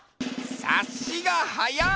さっしがはやい！